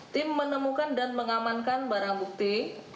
tim menemukan dan mengamankan barang bukti